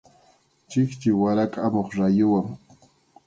Chikchi warakʼamuq rayuwan.